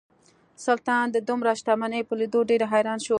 سلطان د دومره شتمنۍ په لیدو ډیر حیران شو.